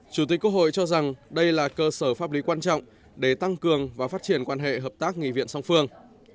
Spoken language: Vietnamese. chủ tịch quốc hội cho rằng đây là cơ sở pháp lý quan trọng để tăng cường và phát triển quan hệ hợp tác nghị viện song phương